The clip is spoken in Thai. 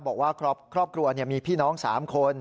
บอกว่าครอบครัวมีพี่น้อง๓คน